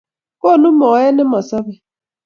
Konu moet ne mosobei